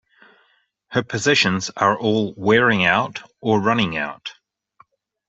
Her possessions are all wearing out or running out.